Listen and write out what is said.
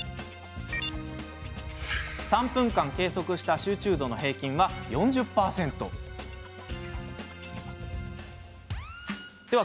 ３分間計測した集中度の平均は４０％でした。